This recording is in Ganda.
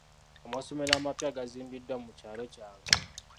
Amasomero amapya gazimbiddwa mu kyalo kyange.